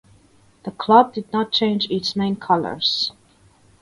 The club did not change its main colors.